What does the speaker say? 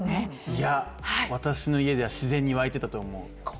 いや、私の家では自然に湧いてたと思う。